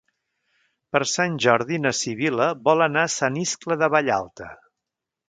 Per Sant Jordi na Sibil·la vol anar a Sant Iscle de Vallalta.